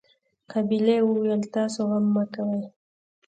قابلې وويل تاسو غم مه کوئ.